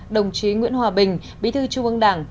đồng chí nguyễn hòa bình bí thư trung ương đảng